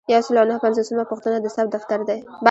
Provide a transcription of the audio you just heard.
یو سل او نهه پنځوسمه پوښتنه د ثبت دفتر دی.